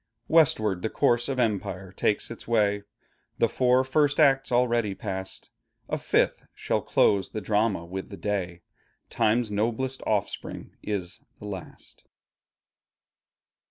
Westward the course of empire takes its way; The four first Acts already past, A fifth shall close the Drama with the day; Time's noblest offspring is the last.